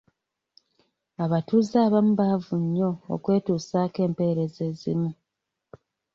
Abatuze abamu baavu nnyo okwetusaako empeereza ezimu.